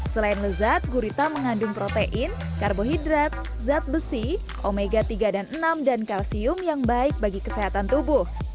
selain lezat gurita mengandung protein karbohidrat zat besi omega tiga dan enam dan kalsium yang baik bagi kesehatan tubuh